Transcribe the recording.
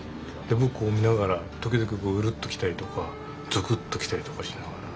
僕見ながら時々ウルッときたりとかゾクッときたりとかしながら。